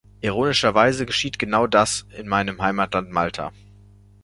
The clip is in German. Ironischerweise geschieht genau das in meinem Heimatland Malta.